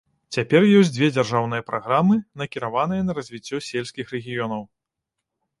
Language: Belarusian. Цяпер ёсць дзве дзяржаўныя праграмы, накіраваныя на развіццё сельскіх рэгіёнаў.